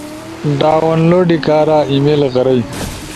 ڈاؤن لوڈ کارا ای میل غرئی